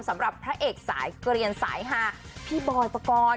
สำหรับพระเอกสายเกลียนสายฮาพี่บอยปกรณ์